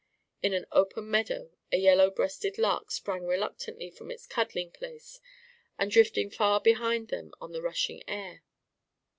In an open meadow a yellow breasted lark sprang reluctantly from its cuddling place and drifted far behind them on the rushing air.